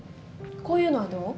こういうのはどう？